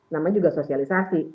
namanya juga sosialisasi